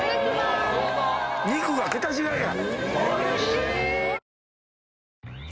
肉が桁違いや。